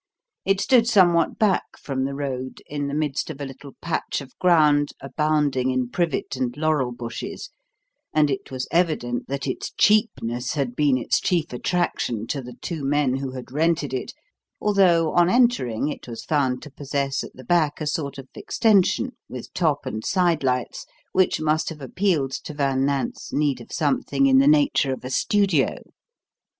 It stood somewhat back from the road, in the midst of a little patch of ground abounding in privet and laurel bushes, and it was evident that its cheapness had been its chief attraction to the two men who had rented it, although, on entering, it was found to possess at the back a sort of extension, with top and side lights, which must have appealed to Van Nant's need of something in the nature of a studio.